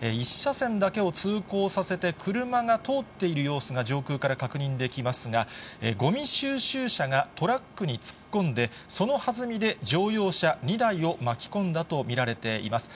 １車線だけを通行させて、車が通っている様子が上空から確認できますが、ごみ収集車がトラックに突っ込んで、そのはずみで乗用車２台を巻き込んだと見られています。